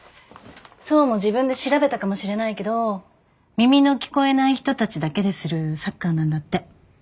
想も自分で調べたかもしれないけど耳の聞こえない人たちだけでするサッカーなんだって。